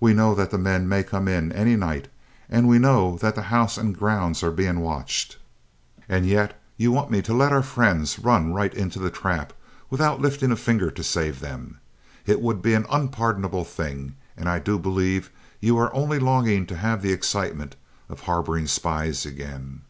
"We know that the men may come in any night, and we know that the house and grounds are being watched, and yet you want me to let our friends run right into the trap, without lifting a finger to save them! It would be an unpardonable thing, and I do believe you are only longing to have the excitement of harbouring spies again!"